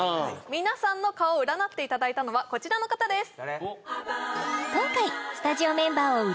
皆さんの顔を占っていただいたのはこちらの方です！